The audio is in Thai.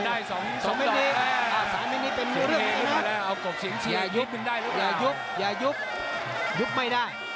สามินีสามินีเป็นเรื่องอะไรนะครับอย่ายุบอย่ายุบยุบไม่ได้